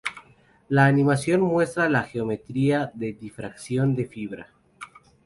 La animación muestra la geometría de difracción de fibra.